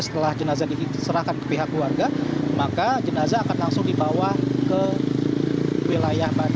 setelah jenazah diserahkan ke pihak keluarga maka jenazah akan langsung dibawa ke wilayah bandung